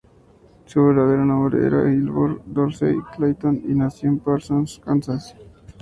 Su verdadero nombre era Wilbur Dorsey Clayton, y nació en Parsons, Kansas.